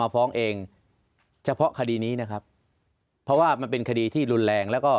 เพราะว่ามันเป็นคดีที่รุนแรง